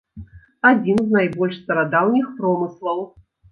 Адзін з найбольш старадаўніх промыслаў.